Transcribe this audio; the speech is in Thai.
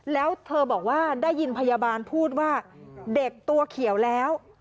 แล้วเธอบอกว่าได้ยินพยาบาลพูดว่าเด็กตัวเขียวแล้ว